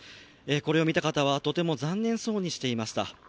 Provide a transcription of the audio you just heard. これを見た方は、とても残念そうにしていました。